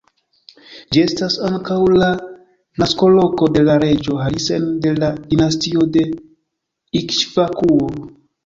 Ĝi estas ankaŭ la naskoloko de la reĝo Harisen de la dinastio de Ikŝvakuo.